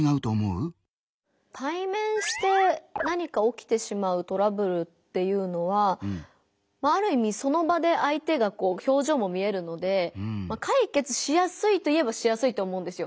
対面して何か起きてしまうトラブルっていうのはまあある意味その場で相手がこう表情も見えるので解決しやすいといえばしやすいと思うんですよ。